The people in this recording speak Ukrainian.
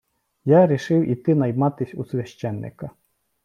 Я рішив іти найматись у священика.